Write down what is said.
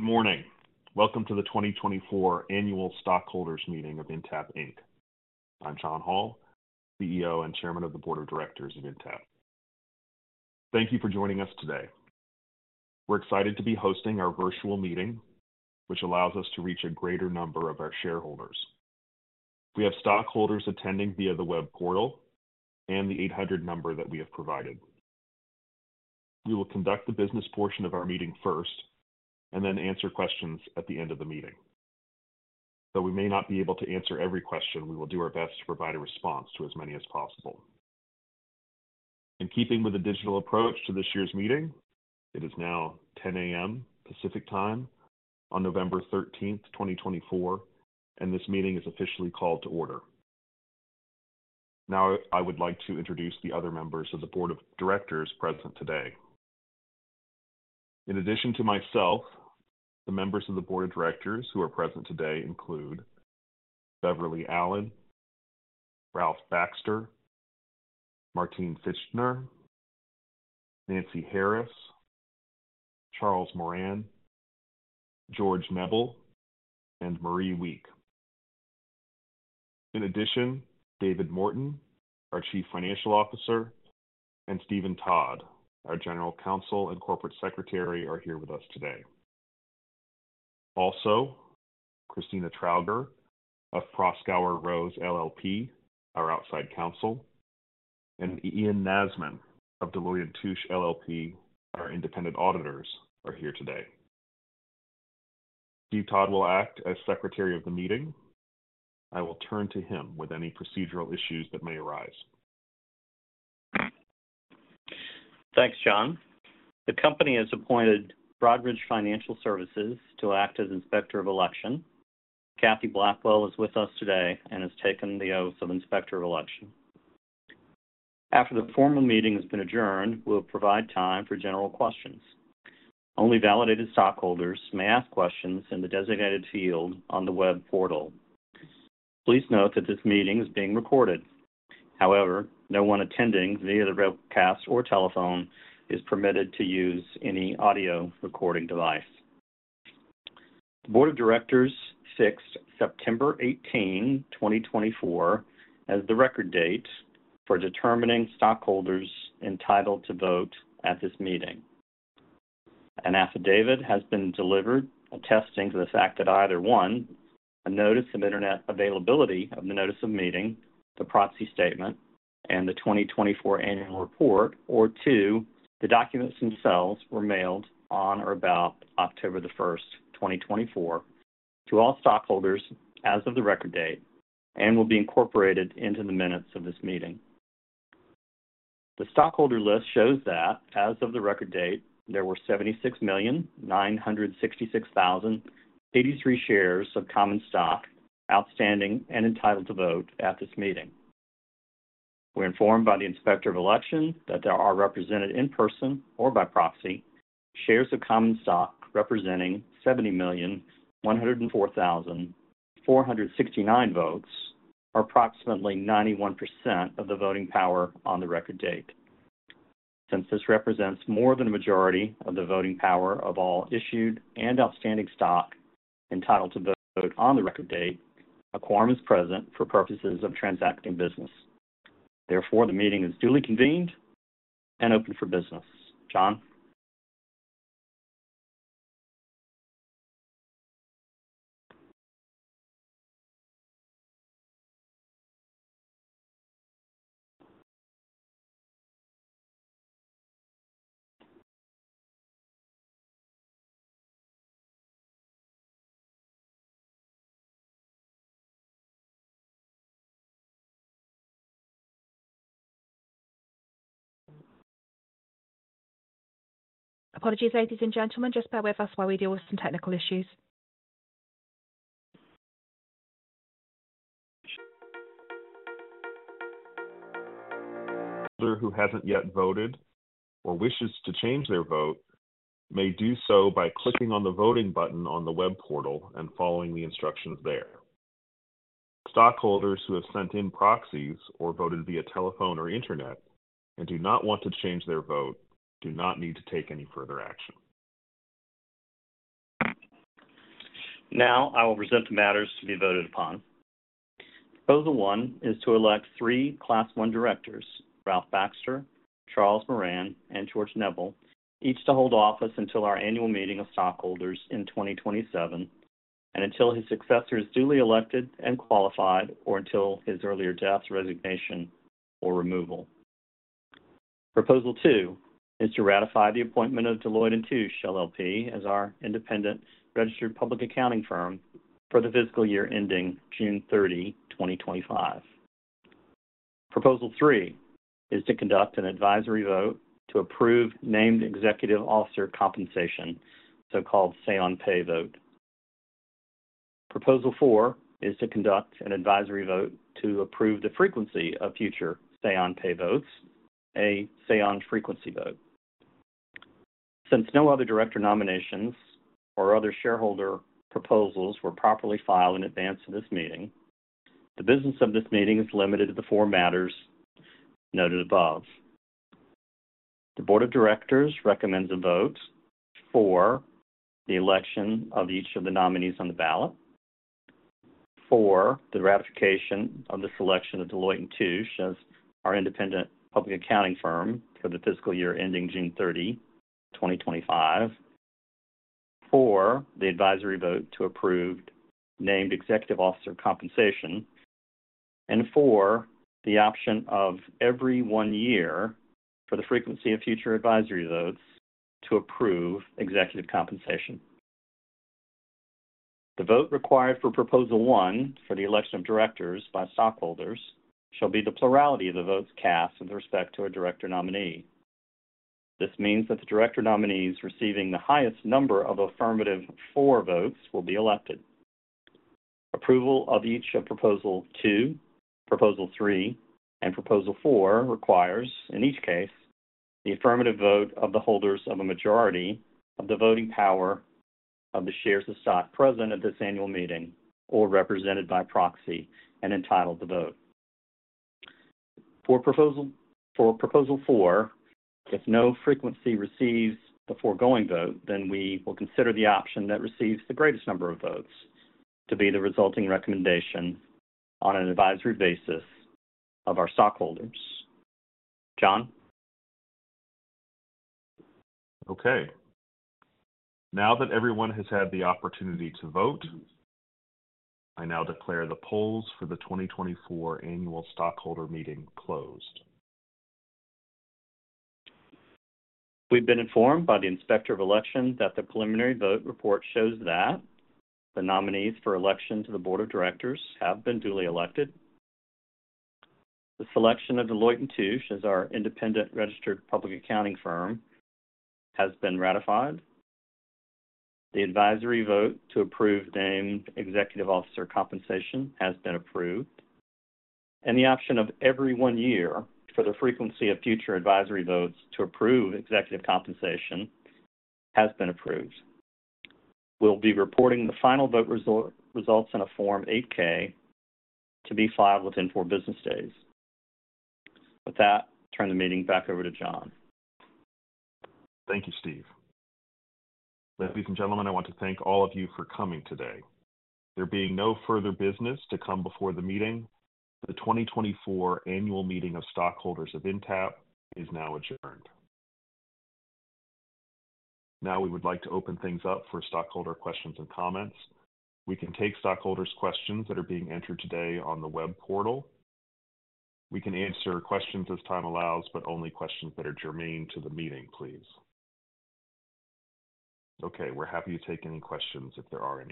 Good morning. Welcome to the 2024 Annual Stockholders' Meeting of Intapp, Inc. I'm John Hall, CEO and Chairman of the Board of Directors of Intapp, Inc. Thank you for joining us today. We're excited to be hosting our virtual meeting, which allows us to reach a greater number of our shareholders. We have stockholders attending via the web portal and the 800 number that we have provided. We will conduct the business portion of our meeting first and then answer questions at the end of the meeting. Though we may not be able to answer every question, we will do our best to provide a response to as many as possible. In keeping with the digital approach to this year's meeting, it is now 10:00 A.M. Pacific Time on November 13, 2024, and this meeting is officially called to order. Now, I would like to introduce the other members of the Board of Directors present today. In addition to myself, the members of the Board of Directors who are present today include Beverly Allen, Ralph Baxter, Martin Fichtner, Nancy Harris, Charles Moran, George Neble, and Marie Wieck. In addition, David Morton, our Chief Financial Officer, and Stephen Todd, our General Counsel and Corporate Secretary, are here with us today. Also, Kristina Trauger of Proskauer Rose LLP, our Outside Counsel, and Ian Nasman of Deloitte & Touche LLP, our Independent Auditors, are here today. Steve Todd will act as Secretary of the Meeting. I will turn to him with any procedural issues that may arise. Thanks, John. The company has appointed Broadridge Financial Services to act as Inspector of Election. Kathy Blackwell is with us today and has taken the oath of Inspector of Election. After the formal meeting has been adjourned, we'll provide time for general questions. Only validated stockholders may ask questions in the designated field on the web portal. Please note that this meeting is being recorded. However, no one attending via the webcast or telephone is permitted to use any audio recording device. The Board of Directors fixed September 18, 2024, as the record date for determining stockholders entitled to vote at this meeting. An affidavit has been delivered attesting to the fact that either one, a notice of internet availability of the notice of meeting, the proxy statement, and the 2024 annual report, or two, the documents themselves were mailed on or about October 1, 2024, to all stockholders as of the record date and will be incorporated into the minutes of this meeting. The stockholder list shows that as of the record date, there were 76,966,083 shares of common stock outstanding and entitled to vote at this meeting. We're informed by the Inspector of Election that there are represented in person or by proxy shares of common stock representing 70,104,469 votes, or approximately 91% of the voting power on the record date. Since this represents more than a majority of the voting power of all issued and outstanding stock entitled to vote on the record date, a quorum is present for purposes of transacting business. Therefore, the meeting is duly convened and open for business. John? Apologies, ladies and gentlemen. Just bear with us while we deal with some technical issues. Who hasn't yet voted or wishes to change their vote may do so by clicking on the voting button on the web portal and following the instructions there. Stockholders who have sent in proxies or voted via telephone or internet and do not want to change their vote do not need to take any further action. Now, I will present the matters to be voted upon. Proposal one is to elect three Class I directors, Ralph Baxter, Charles Moran, and George Neble, each to hold office until our annual meeting of stockholders in 2027 and until his successor is duly elected and qualified or until his earlier death, resignation, or removal. Proposal two is to ratify the appointment of Deloitte & Touche LLP as our Independent Registered Public Accounting Firm for the fiscal year ending June 30, 2025. Proposal three is to conduct an advisory vote to approve named executive officer compensation, so-called say-on-pay vote. Proposal four is to conduct an advisory vote to approve the frequency of future say-on-pay votes, a say-on-frequency vote. Since no other director nominations or other shareholder proposals were properly filed in advance of this meeting, the business of this meeting is limited to the four matters noted above. The Board of Directors recommends a vote for the election of each of the nominees on the ballot, for the ratification of the selection of Deloitte & Touche as our Independent Public Accounting Firm for the fiscal year ending June 30, 2025, for the advisory vote to approve named executive officer compensation, and for the option of every one year for the frequency of future advisory votes to approve executive compensation. The vote required for Proposal one for the election of directors by stockholders shall be the plurality of the votes cast with respect to a director nominee. This means that the director nominees receiving the highest number of affirmative votes will be elected. Approval of each of proposal two, proposal three, and proposal four requires, in each case, the affirmative vote of the holders of a majority of the voting power of the shares of stock present at this annual meeting or represented by proxy and entitled to vote. For proposal four, if no frequency receives the foregoing vote, then we will consider the option that receives the greatest number of votes to be the resulting recommendation on an advisory basis of our stockholders. John? Okay. Now that everyone has had the opportunity to vote, I now declare the polls for the 2024 Annual Stockholders' Meeting closed. We've been informed by the Inspector of Election that the preliminary vote report shows that the nominees for election to the Board of Directors have been duly elected. The selection of Deloitte & Touche as our Independent Registered Public Accounting Firm has been ratified. The advisory vote to approve named executive officer compensation has been approved, and the option of every one year for the frequency of future advisory votes to approve executive compensation has been approved. We'll be reporting the final vote results in a Form 8-K to be filed within four business days. With that, I turn the meeting back over to John. Thank you, Steve. Ladies and gentlemen, I want to thank all of you for coming today. There being no further business to come before the meeting, the 2024 Annual Meeting of Stockholders of Intapp is now adjourned. Now, we would like to open things up for stockholder questions and comments. We can take stockholders' questions that are being entered today on the web portal. We can answer questions as time allows, but only questions that are germane to the meeting, please. Okay. We're happy to take any questions if there are any.